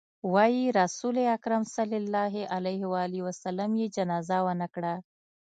وايي رسول اکرم ص يې جنازه ونه کړه.